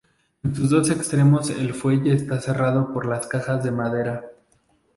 En sus dos extremos el fuelle está cerrado por las cajas de madera.